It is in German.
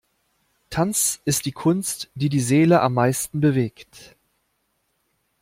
Tanz ist die Kunst, die die Seele am meisten bewegt.